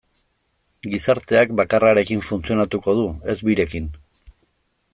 Gizarteak bakarrarekin funtzionatuko du, ez birekin.